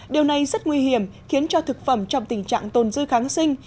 điều này rất nguy hiểm khiến cho thực phẩm trong tình trạng tồn dư kháng sinh